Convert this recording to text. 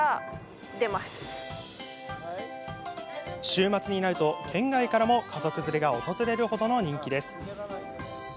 週末になると県外からも家族連れが訪れるほどの人気です。